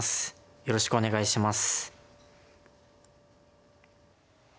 よろしくお願いします。